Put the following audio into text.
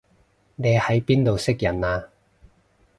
你喺邊度識人啊